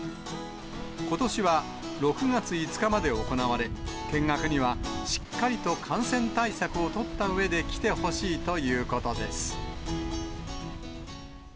ことしは６月５日まで行われ、見学にはしっかりと感染対策を取ったうえで来てほしいということです。